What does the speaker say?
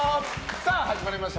さあ、始まりました。